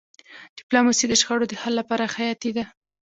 ډيپلوماسي د شخړو د حل لپاره حیاتي ده.